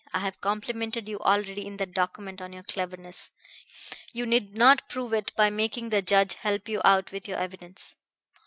"I have complimented you already in that document on your cleverness. You need not prove it by making the judge help you out with your evidence."